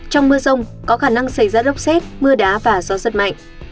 trong mưa rông có khả năng xảy ra lốc xét mưa đá và gió rất mạnh